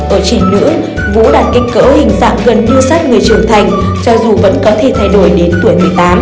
ở trẻ nữa vũ đạt kích cỡ hình dạng gần như sát người trưởng thành cho dù vẫn có thể thay đổi đến tuổi một mươi tám